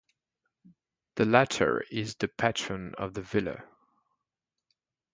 The latter is the patron of the villa.